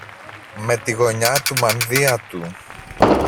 Με τη γωνιά του μανδύα του